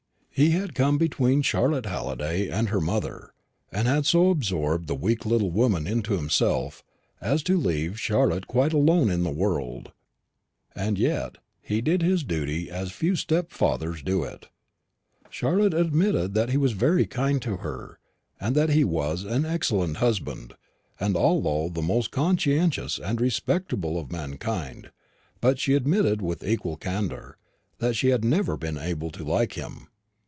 He had come between Charlotte Halliday and her mother, and had so absorbed the weak little woman into himself, as to leave Charlotte quite alone in the world. And yet he did his duty as few stepfathers do it. Charlotte admitted that he was very kind to her, that he was an excellent husband, and altogether the most conscientious and respectable of mankind; but she admitted with equal candour that she had never been able to like him.